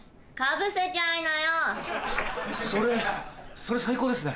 それそれ最高ですね